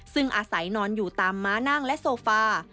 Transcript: ซึ่งอาศัยนอนอยู่ตามม้านั่งและโซฟา